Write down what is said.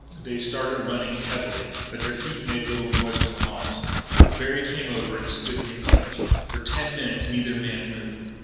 They started, running heavily, but their feet made little noise on the moss. Berry came over and stood near Clinch. For ten minutes neither man moved.